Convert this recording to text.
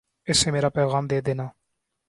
اسے میرا پیغام دے دینا